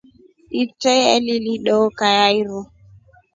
Itreye lili dooka ya iru.